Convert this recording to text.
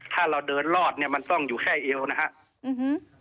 ถ้าเราเดินรอดเนี่ยมันต้องอยู่แค่เอวนะครับ